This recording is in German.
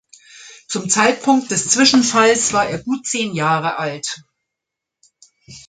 Zum Zeitpunkt des Zwischenfalls war er gut zehn Jahre alt.